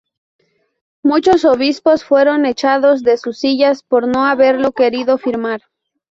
Muchos Obispos fueron echados de sus Sillas por no haberlo querido firmar.